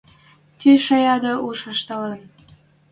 Ти шаяда уж ӹштӓлтӹн